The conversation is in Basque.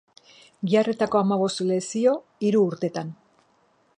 Giharretako hamabost lesio hiru urtetan.